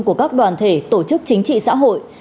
của các đoàn thể tổ chức chính trị xã hội